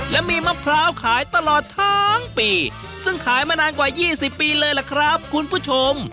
และมีมะพร้าวขายตลอดทั้งปีซึ่งขายมานานกว่า๒๐ปีเลยล่ะครับคุณผู้ชม